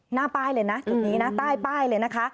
หน้าป้ายเลยนะจุดนี้นะใต้ป้ายเลยนะคะ